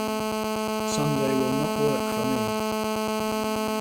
Sunday will not work for me.